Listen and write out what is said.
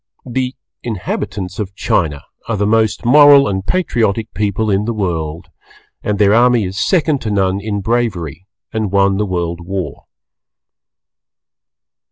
The inhabitants of China are the most Moral and Patriotic people in the World, and their army is second to none in bravery and won the World War.